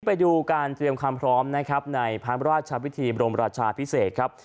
ไปดูการเตรียมความพร้อมนะครับในพระราชวิธีบรมราชาพิเศษครับ